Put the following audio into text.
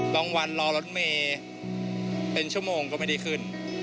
วันรอรถเมย์เป็นชั่วโมงก็ไม่ได้ขึ้น